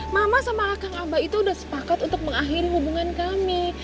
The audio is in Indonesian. mama sama kang abah itu sudah sepakat untuk mengakhiri hubungan kami